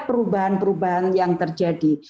perubahan perubahan yang terjadi